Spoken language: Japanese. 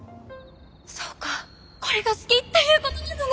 「そうかこれが好きっていうことなのね！」。